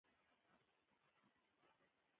څو شېبې وروسته تښتېدلي کسان بېرته راوستل شول